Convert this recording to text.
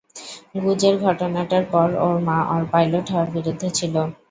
গুজের ঘটনাটার পর, ওর মা ওর পাইলট হওয়ার বিরুদ্ধে ছিল।